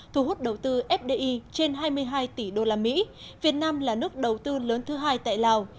thu hút đầu tư fdi trên hai mươi hai tỷ đô la mỹ việt nam là nước đầu tư lớn thứ hai tại lào